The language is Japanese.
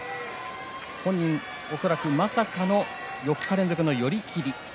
本人、恐らくまさかの４日連続の寄り切り。